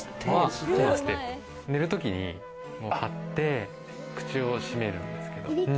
寝るときに貼って口を閉めるんですけど。